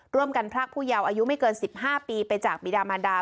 ร่วมกันพลักผู้ยาวอายุไม่เกินสิบห้าปีไปจากบิดามันดา